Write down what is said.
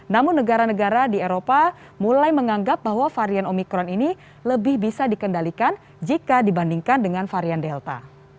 namun negara negara di eropa mulai menganggap bahwa varian omikron ini lebih bisa dikendalikan jika dibandingkan dengan varian delta